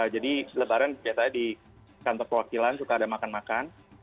jadi lebaran biasanya di kantor pewakilan suka ada makan makan